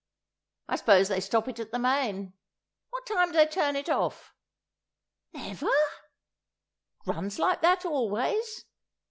"I suppose they stop it at the main. What time do they turn it off? ... Never? It runs like that always!